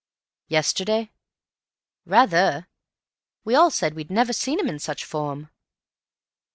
"Yesterday?" "Rather. We all said we'd never seen him in such form."